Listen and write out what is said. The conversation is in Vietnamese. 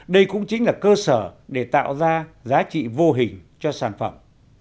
đây cũng chính là cơ sở để tạo ra giá trị vô hình cho sản phẩm